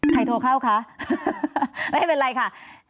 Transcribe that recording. โทรเข้าคะไม่เป็นไรค่ะ